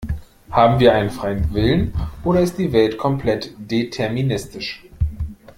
Haben wir einen freien Willen oder ist die Welt komplett deterministisch?